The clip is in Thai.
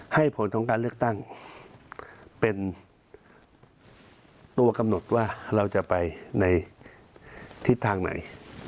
ให้ผลของการเลือกตั้งเป็นตัวกำหนดว่าเราจะไปในทิศทางไหน